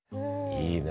いいね。